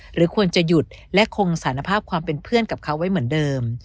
หรือควรจะหยุดและคงสารภาพความเป็นเพื่อนกับเขาไว้เหมือนเดิม